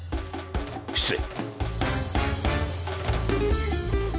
失礼。